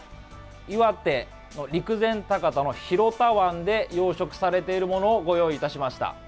岩手の陸前高田の広田湾で養殖されているものをご用意いたしました。